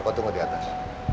kau tunggu di atas